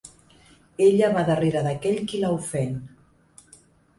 Ella va darrere d'aquell qui la ofèn.